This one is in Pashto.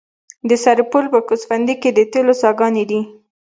د سرپل په ګوسفندي کې د تیلو څاګانې دي.